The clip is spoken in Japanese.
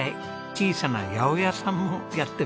小さな八百屋さんもやってます一緒に。